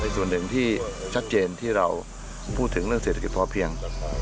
ส่วนหนึ่งที่ชัดเจนที่เราพูดถึงเรื่องเศรษฐกิจพอเพียง